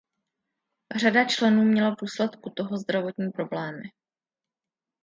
Řada členů měla v důsledku toho zdravotní problémy.